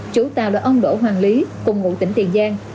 chủ tàu là ông đỗ hoàng lý cùng ngụ tỉnh tiền giang